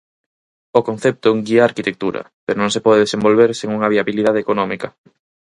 O concepto guía a arquitectura, pero non se pode desenvolver sen unha viabilidade económica.